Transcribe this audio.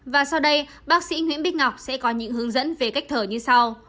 và sau đây bác sĩ nguyễn bích ngọc sẽ có những hướng dẫn về cách thở như sau